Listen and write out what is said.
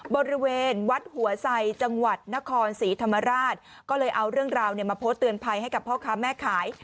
บริเวณวัดหัวไซจังหวัดนครศรีธรรมราชก็เลยเอาเรื่องราวเนี่ยมาโพสต์เตือนภัยให้กับพ่อค้าแม่ขาย